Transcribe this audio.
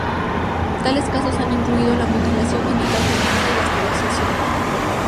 Tales casos han incluido la mutilación genital femenina y la esterilización.